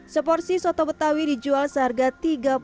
se porsi soto betawi dijual seharga rp tiga puluh lima